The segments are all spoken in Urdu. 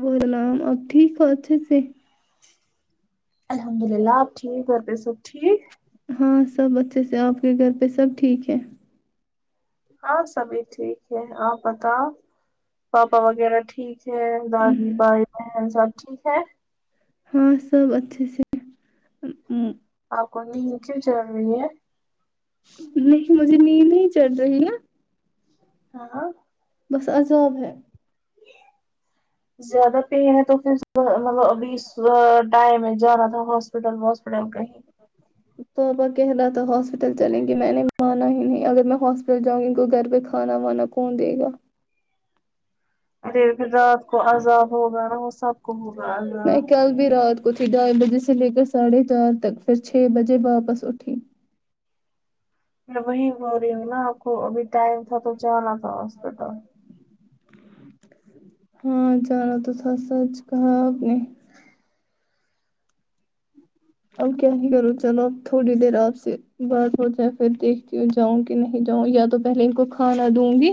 بد نام اب ٹھیک ہو ا [unintelligible] چھے سے الحمد للہ آپ ٹھیک گھر پے سب ٹھیک ہاں سب اچھے سے آپ کے گھر پہ سب ٹھیک ہے ہاں سبھی ٹھیک ہے آپ بتاؤ پاپا وغیرہ ٹھیک دادی بھائی بہن سب ٹھیک ہے ہاں سب اچھے سے آپ کو نئی کیوں ضروری ہے نہیں مجھے نیند نہیں چڑھ رہی ہے ہاں بس عذاب ہے زیادہ پین ہے تو پھر مطلب ابھی ٹائم جانا تھا ہاس پٹل ہاپٹل کہیں توپا کہہ رہا تھا ہاسپٹل چلیں گے میں نے مانا ہی نہیں اگر میں ہاسپٹل جاں گی ان کو گھر پہ کھانا وانا کون دے گا پھر رات کو عذاب ہوگا نا وہ سب کو ہوگا اللہ چل بھی رات کھی ڈھائی بجے سے لے کر ساڑھے چار تک پھر چھ بجے واپس اٹھی میں وہی ہو رہی ہوں نا آپ کو ابھی ٹائم تھا تو جانا تھا ہاسپٹل ہاں جانا تو س سچ کہا آپ نے اب کیا نہیں کرو چلو اب تھوڑی دیر آپ سے بات ہو جائے پھر دیکھتی ہو جاؤں کہ نہیں جاؤں یا تو پہلے ان کو کھانا دوں گی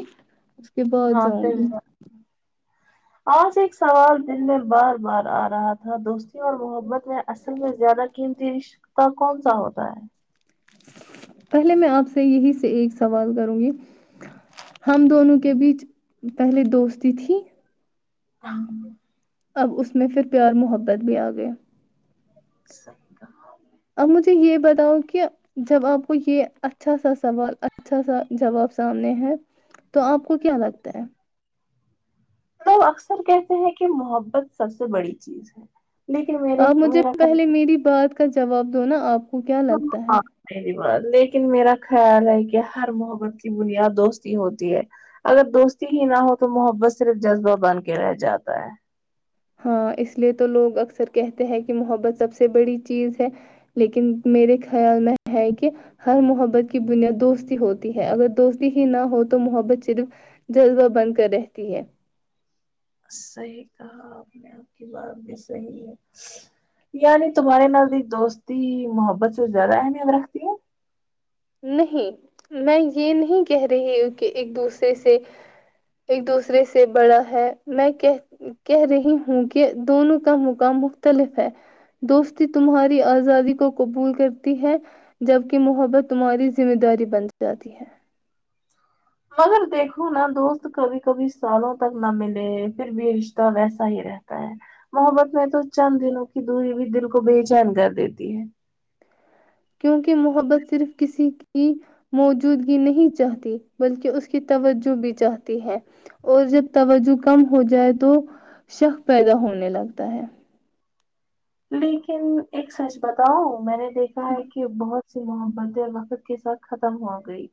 اس کے بعد ہاں جاؤں پھر گی آج ایک سوال دل میں بار بار آ رہا تھا دوستی اور محبت میں اصل میں زیادہ قیمتی عشق کون کون سا ہوتا ہے پہلے میں آپ سے یہی سے ایک سوال کروں گی ہم دونوں کے بیچ پہلے دوستی تھی ہاں اب اس میں پھر پیار محبت بھی آ گئے صحیح کہا۔ اب مجھے یہ بتاؤ کہ جب آپ کو یہ اچھا سا سوال اچھا سا جواب سامنے ہے تو آپ کو کیا لگتا ہے اکثر کہتے ہیں کہ محبت سب سے بڑی چیز ہے لیکن میرے آپ مجھے میرا پہلے خیال میری بات کا جواب دو نا آپ کو کیا لگتا ہے ا بات لیکن میرا خیال ہے کہ ہر محبت کی بنیاد دوستی ہوتی ہے اگر دوستی ہی نہ ہو تو محبت صرف جذبہ بن کے رہ جاتا ہے ہاں اس لیے تو لوگ اکثر کہتے ہیں کہ محبت سب سے بڑی چیز ہے لیکن میرے خیال میں ہے کہ ہر محبت کی بنیاد دوستی ہوتی ہے اگر دوستی ہی نہ ہو تو محبت صرف جذبہ بن کر رہتی ہے صحیح کہا آپ نے آپ کی بات بھی صحیح ہے یعنی تمہارے نزدیک دوستی محبت سے زیادہ اہمیت رکھتی ہے نہیں میں یہ نہیں کہہ رہی ہوں کہ ایک دوسرے سے ایک دوسرے سے بڑا ہے میں کہہ کہہ رہی ہوں کہ دونوں کا مقام مختلف ہے دوستی تمہاری آزادی کو قبول کرتی ہے جبکہ محبت تمہاری ذمہ داری بن جاتی ہے مگر دیکھو ناں دوست کبھی کبھی سالوں تک نہ ملے ہے پھر بھی رشتہ ویسا ہی رہتا ہے محبت میں تو چند دنوں کی دوری بھی دل کو بے چین کر دیتی ہے کیونکہ محبت صرف کسی کی موجودگی نہیں چاہتی بلکہ اس کی توجہ بھی چاہتی ہے اور جب توجہ کم ہو جائے تو شک پیدا ہونے لگتا ہے لیکن ایک سچ بتاؤں میں نے دیکھا ہے کہ بہت سے محبت وقت کے ساتھ ختم ہوگئی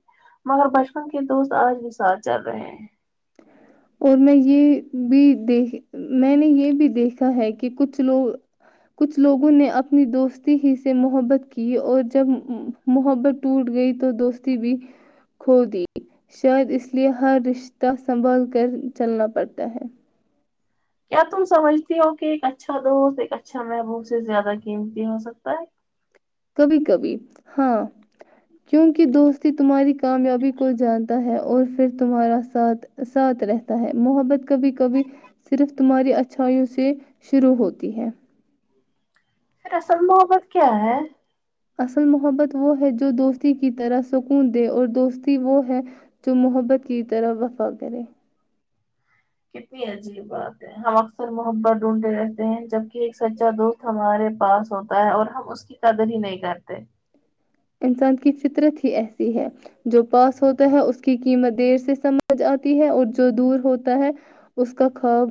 مگر بچپن کے دوست آج بھی ساتھ چل رہے ہیں اور میں یہ بھی دیکھ میں نے یہ بھی دیکھا ہے کہ کچھ لوگ کچھ لوگوں نے اپنی دوستی ہی سے محبت کی اور جب امم محبت ٹوٹ گئی تو دوستی بھی کھو دیتی شاید اس لیے ہر رشتہ سنبھل کر چلنا پڑتا ہے کیا تم سمجھتی ہو کہ ایک اچھا دوست ایک اچھا محبوب سے زیادہ قیمتی ہو سکتا ہے کبھی کبھی ہاں کیونکہ دوستی تمہاری کامیابی کو جانتا ہے اور پھر تمہارا ساتھ ساتھ رہتا ہے محبت کبھی کبھی صرف تمہاری اچھائیوں سے شروع ہوتی ہے پھر اصل محبت کیا ہے اصل محبت وہ ہے جو دوستی کی طرح سکون دے اور دوستی وہ ہے جو محبت کی طرح وفا کرے کتنی عجیب بات ہے ہم اکثر محبت ڈھونڈتے رہتے ہیں جبک ایک سچا دوست ہمارے پاس ہوتا ہے اور ہم اس کے کی قدر ہی نہیں کرتے انسان کی فطرت ہی ایسی ہے جو پاس ہوتا ہے اس کی قیمت دیر سے سمجھ آتی ہے اور جو دور ہوتا ہے اس کا خواب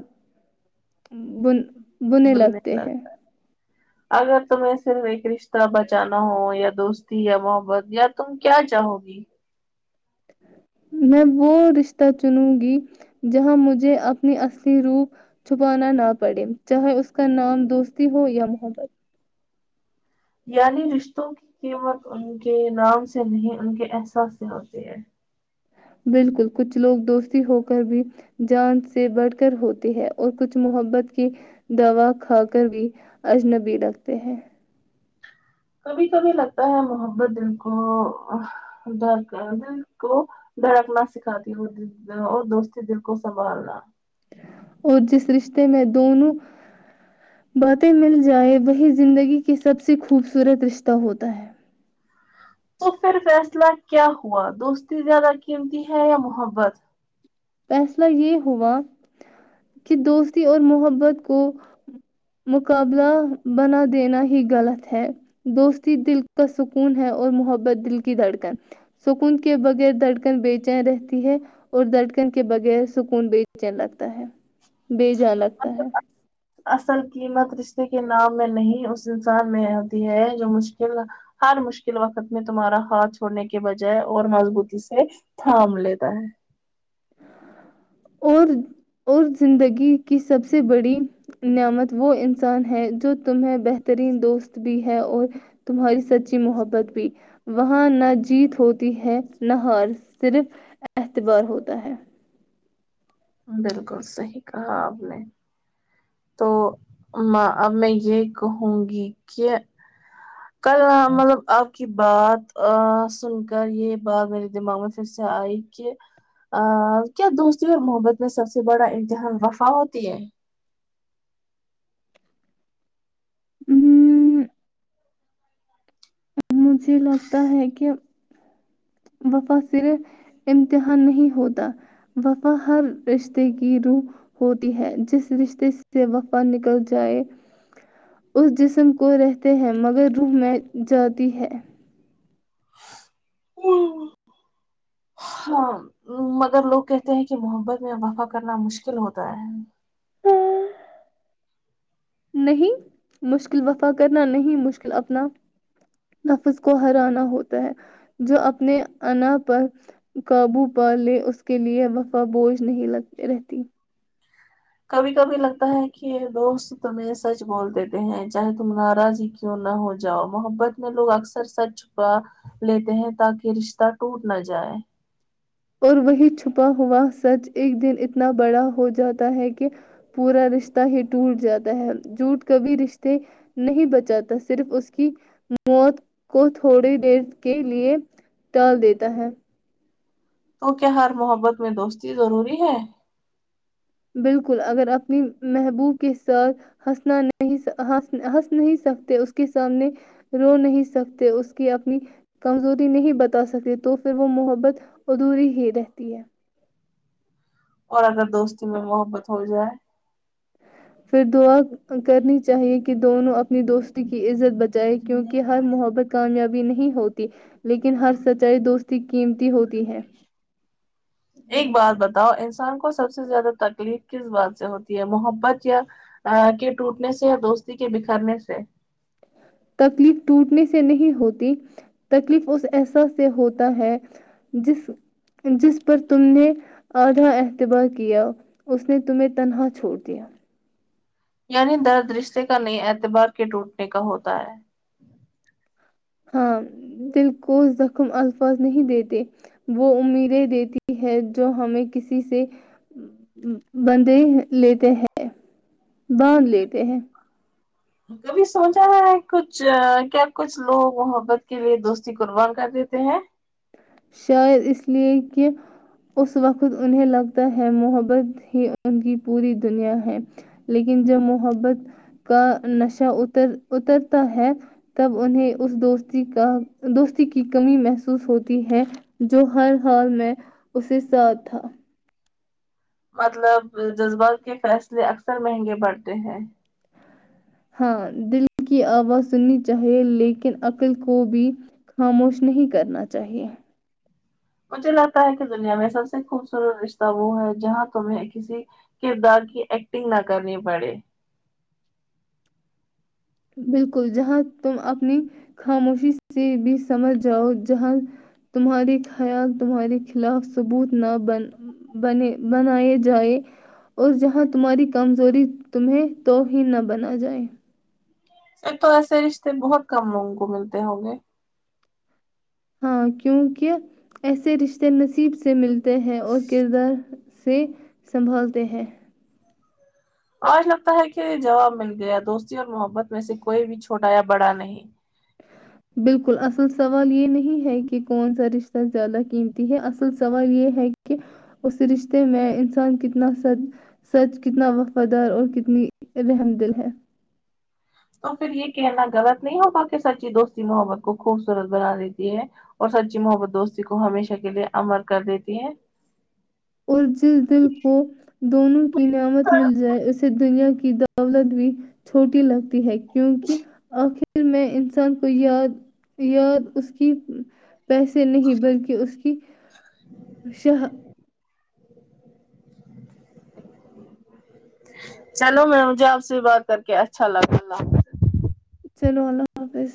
بن بننے بولنے لگتے کا ہیں کیا اگر تمہیں صرف ایک رشتہ بچانا ہو یا دوستی یا محبت یا تم کیا چاہو گی نیں میں رشتہ چنوں گی جہاں مجھے اپنی اصلی روپ چھپانا نہ پڑے چاہے اس کا نام دوستی ہو یا محبت یعنی رشتوں کی قیمت ان کے نام سے نہیں ان کے احساس سے ہوتی ہے بالکل کچھ لوگ دوستی ہو کر بھی جان سے بڑھ کر ہوتی ہے اور کچھ محبت کی دوا کھا کر بھی اجنبی لگتے ہیں کبھی کبھی لگتا ہے محبت دل کو درد دل کو دھڑکنا سکھاتی ہوگی اور دوستی دل کو سنبھالنا اور جس رشتے میں دونوں باتیں مل جائیں وہی زندگی کی سب سے خوبصورت رشتہ ہوتا ہے تو پھر فیصلہ کیا ہوا دوستی زیادہ قیمتی ہے یا محبت فیصلہ یہ ہوا کہ دوستی اور محبت کو مقابلہ بنا دینا ہی غلط ہے دوستی دل کا سکون ہے اور محبت دل کی دھڑکن سکون کے بغیر دھڑکن بے چین رہتی ہے اور دھڑ کن کے بغیر سکون بےچین لگتا ہے بےجان لگتا ہے [inaudible] اصل قیمت رشتے کے نام میں نہیں اس انسان میں آتی ہے جو مشکل ہر مشکل وقت میں تمہارا ہاتھ چھوڑنے کے بجائے اور مضبوطی سے تھام لیتا ہے [inaudible] اور اور زندگی کی سب سے بڑی نعمت وہ انسان ہے جو تمہیں بہترین دوست بھی ہے اور تمہاری سچی محبت بھی وہاں نہ جیت ہوتی ہے نہ ہار صرف اعتبار ہوت تا ہے بالکل صحیح کہا آپ نے تو ماں اب میں یہ کہوں گی کہ کل مطلب آب کی بات سن کر یہ بات میرے دماغ میں پھر سے آئی کہ کیا دوستی اور محبت میں سب سے بڑا امتحان وفا ہوتی ہے مم، مجھے لگتا ہے کہ وفا صرف امتحان نہیں ہوتا وفا ہر رشتے کی روح ہوتی ہے جس رشتے سے وفا نکل جائے اس جسم کو رہتے ہیں مگر روح میں جاتی ہے ہوں ہاں مگر لوگ کہتے ہیں کہ محبت میں وفا کرنا مشکل ہوتا ہے ہے [inaudible] نہیں مشکل وفا کرنا نہیں مشکل اپنا نفس کو ہرانا ہوتا ہے جو اپنے انا پر قابو پا لے اس کے لیے وفا بوجھ نہیں لگتے رہتی کبھی کبھی لگتا ہے کہ دوست تمہیں سچ بول دیتے ہیں چاہے تم ناراض ہی کیوں نہ ہو جاؤ محبت میں لوگ اکثر سچ چھپا لیتے ہیں تاکہ رشتہ ٹوٹ نہ جائے اور وہی چھپا ہوا سچ ایک دن اتنا بڑا ہو جاتا ہے کہ پورا رشتہ ہی ٹوٹ جاتا ہے جوٹ کبھی رشتے نہیں بچاتا صرف اس کی موت کو تھوڑی دیر کے لیے ٹال دیتا ہے تو کیا ہر محبت میں دوستی ضروری ہے بالکل اگر اپنی محبوب کے ساتھ ہنسنا نہیں ہنس ہنس نہیں سکتے اس کے سامنے رو نہیں سکتے اس کی اپنی کمزوری نہیں بتا سکی تو پھر وہ محبت ادھوری ہی رہتی ہے اور اگر دوستی میں محبت ہو جائے پھر دعا کرنی چاہیے کہ دونوں اپنی دوستی کی عزت بچائے کیونکہ ہر محبت کامیابی نہیں ہوتی لیکن ہر سچائی دوستی قیمتی ہوتی ہے [inaudible] ایک بات بتاؤ انسان کو سب سے زیادہ تکلیف کس بات سے ہوتی ہے محبت یا کے ٹوٹنے سے یا دوستی کے بکھرنے سے تکلیف ٹوٹنے سے نہیں ہوتی تکلیف اس احساس سے ہوتا ہے جس جس پر تم نے آدھا اعتبار کیا اس نے تمہیں تنہا چھوڑ دیا یعنی درد رشتے کا نہی اعتبار کے ٹوٹنے کا ہوتا ہے ہاں دل کو زخم الفاظ نہیں دیتے وہ امیدیں دیتی ہے جو ہمیں کسی سے بندھے لیتے ہے باندھ لیتے ہیں کبھی سوچا ہے کچھ کیا کچھ لوگ محبت کے لیے دوستی قربان کر دیتے ہیں شاید اس لیے کہ اس وقت انہیں لگتا ہے محبت بھی ان کی پوری دنیا ہے لیکن جب محبت کا نشہ اتر اترتا ہے تب انہیں اس دوستی کا دوستی کی کمی محسوس ہو تی ہے جو ہر حال میں اسے ساتھ تھا مطلب جذبات کے فیصلے اکثر مہنگے پڑتے ہیں ہاں دل کی آواز سننی چاہیے لیکن عقل کو بھی خاموش نہیں کرنا چاہیے مجھے لگتا ہے کہ دنیا میں سب سے خوبصورت رشتہ وہ ہے جہاں تمیں کسی کردار کی ایکٹنگ نہ کرنی پڑے بالکل جہاں تم اپنی خاموشی سے بھی سمجھ جاؤ جہاں تمہارے خیال تمہارے خلاف ثبوت نہ بن بنے بنائے جائے اور جہاں تمہاری کمزوری تمہیں توہین نہ بنا جائے تو ایسے رشتے بہت کم لوگوں کو ملتے ہوں گے ہاں کیوں کے ایسے رشتے نصیب سے ملتے ہیں اور کردار سے سنبھالتے ہیں آج لگتا ہے کہ جواب مل گیا دوستی اور محبت میں سے کوئی بھی چھوٹا یا بڑا نہیں بالکل اصل سوال یہ نہیں ہے کہ کون سا رشتہ زیادہ قیمتی ہے اص ل سوال یہ ہے کہ اس رشتے میں انسان کتنا س سچ کتنا وفادار اور کتنی رحم دل ہے تو پھر یہ کہنا غلط نہیں ہو گا کہ سچی دوستی محبت کو خوبصورت بنا دیتی ہے اور سچی محبت دوستی کو ہمیشہ کے لیے امر کر دیتی ہے اور جس دل کو دونوں کی نعمت مل جائے اس دنیا کی دولت بھی چھوٹی لگتی ہے کیونکہ آخر میں انسان کو یاد یاد اس کی پیسے نہیں بلکہ اس کی و شھا چلو میں مجھے آپ سے بات کر کے اچھا لگا اللہ حافظ چلو اللہ حافظ